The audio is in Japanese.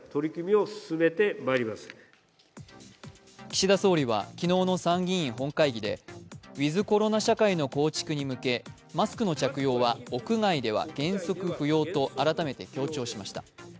岸田総理は昨日の参議院本会議でウィズ・コロナ社会の構築に向けマスクの着用は屋外では原則不要と改めて強調しました。